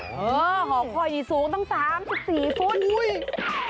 เออหอคอยนี่สูงตั้ง๓๔ฟุต